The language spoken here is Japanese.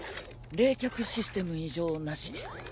冷却システム異常なし。